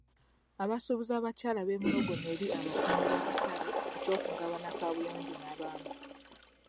Abasuubuzi abakyala beemulugunya eri abakungu b'akatale ku ky'okugabana kaabuyonjo n'abaami.